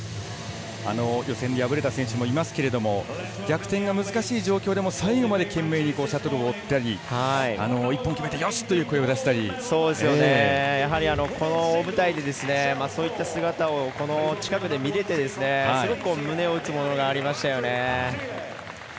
予選で敗れた選手もいますけれども逆転が難しい状況でも最後まで懸命に懸命にシャトルを追ったり１本決めてよしという声を出したりやはり、この大舞台でそういった姿を近くで見れてすごく胸を打つものがありましたよね。